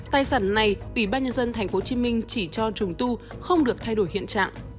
tài sản này ủy ban nhân dân tp hcm chỉ cho trùng tu không được thay đổi hiện trạng